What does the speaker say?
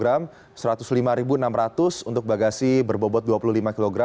gram rp satu ratus lima enam ratus untuk bagasi berbobot dua puluh lima kg